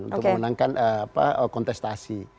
untuk memenangkan kontestasi